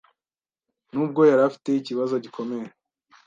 n’ubwo yari afite ikibazo gikomeye